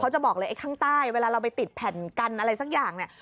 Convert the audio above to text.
จะบอกเลยไอ้ข้างใต้เวลาเราไปติดแผ่นกันอะไรสักอย่างเนี่ย